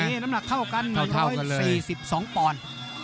ไม่มีน้ำหนักเท่ากัน๑๔๒ปอน